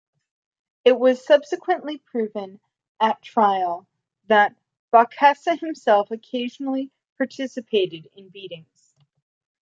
It was subsequently proven at trial that Bokassa himself occasionally participated in beatings.